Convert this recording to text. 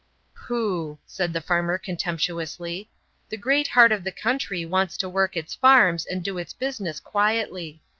"Pooh!" said the farmer contemptuously. "The great heart of the country wants to work its farms and do its business quietly.